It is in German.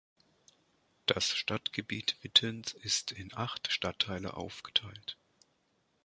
Das Stadtgebiet Wittens ist in acht Stadtteile aufgeteilt.